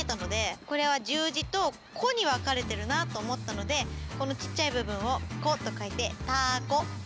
これは十字と「こ」に分かれてるなと思ったのでこのちっちゃい部分を「こ」と書いて「たこ」。